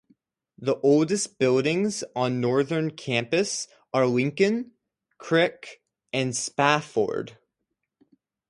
The oldest buildings on Northern's campus are Lincoln, Krikac, and Spafford.